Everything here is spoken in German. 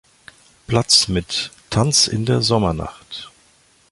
Platz mit "Tanz in der Sommernacht".